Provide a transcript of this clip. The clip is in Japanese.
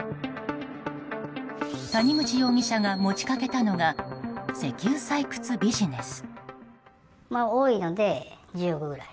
谷口容疑者が持ち掛けたのが石油採掘ビジネス。